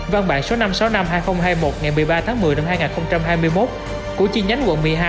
văn bản số năm trăm sáu mươi năm hai nghìn hai mươi một ngày một mươi ba tháng một mươi năm hai nghìn hai mươi một của chi nhánh quận một mươi hai